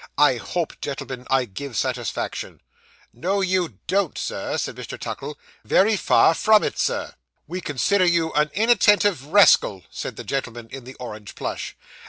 I hope, gentlemen, I give satisfaction.' 'No, you don't, Sir,' said Mr. Tuckle. 'Very far from it, Sir.' 'We consider you an inattentive reskel,' said the gentleman in the orange plush.